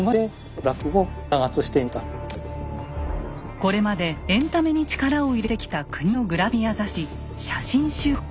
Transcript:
これまでエンタメに力を入れてきた国のグラビア雑誌「写真週報」。